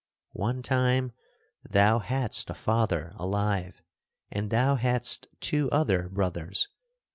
One time thou hadst a father alive, and thou hadst two other brothers.